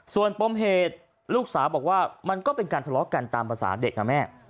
ส่วนปมเหตุลูกสาวบอกว่ามันก็เป็นการทะเลาะกันตามภาษาเด็กนะแม่